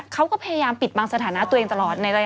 เขาก็พยายามปิดบางสถานะตัวเองตลอดบำกันต่าง